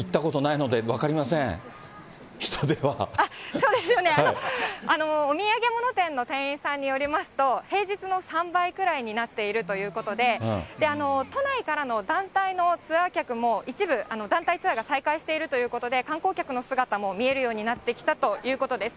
そうですよね、お土産物店の店員さんによりますと、平日の３倍くらいになっているということで、都内からの団体のツアー客も、一部、団体ツアーが再開しているということで、観光客の姿も見えるようになってきたということです。